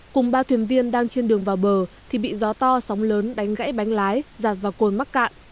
cùng ba thuyền viên đang trên đường vào bờ thì bị gió to sóng lớn đánh gãy bánh lái giạt vào cồn mắc cạn